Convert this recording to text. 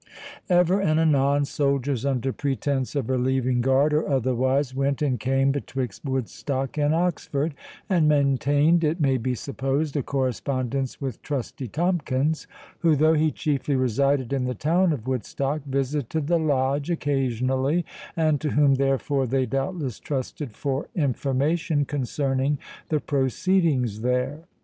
Ever and anon, soldiers, under pretence of relieving guard, or otherwise, went and came betwixt Woodstock and Oxford, and maintained, it may be supposed, a correspondence with Trusty Tomkins, who, though he chiefly resided in the town of Woodstock, visited the Lodge occasionally, and to whom, therefore, they doubtless trusted for information concerning the proceedings there.